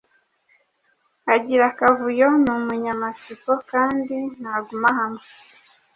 agira akavuyo, ni umunyamatsiko kandi ntaguma hamwe,